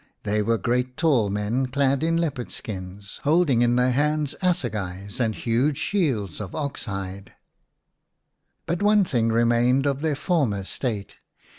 They were great tall men clad in leopard skins, holding in their hands assegais l and huge shields of ox hide. But one thing remained of their former state.